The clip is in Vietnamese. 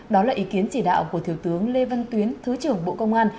đó là ý kiến chỉ đạo của thiếu tướng lê văn tuyến thứ trưởng bộ công an